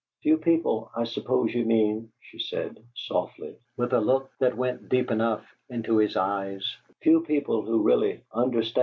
"Few people, I suppose you mean," she said, softly, with a look that went deep enough into his eyes, "few people who really understand one?"